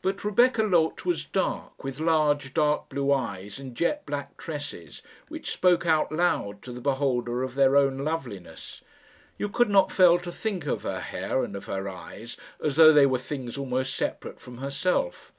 But Rebecca Loth was dark, with large dark blue eyes and jet black tresses, which spoke out loud to the beholder of their own loveliness. You could not fail to think of her hair and of her eyes, as though they were things almost separate from herself.